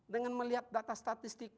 dengan melihat data statistik